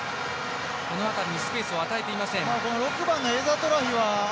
この辺りにスペースを与えていません。